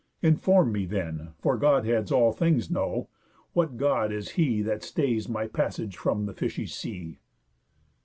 Inform me then, For Godheads all things know, what God is he That stays my passage from the fishy sea?